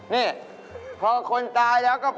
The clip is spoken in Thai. นี่พอคนตายแล้วก็